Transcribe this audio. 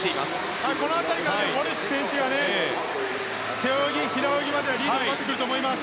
この辺りからウォレス選手が背泳ぎ、平泳ぎまでリードをとると思います。